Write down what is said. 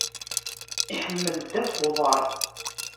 Iḥemmel ddabex uḍar.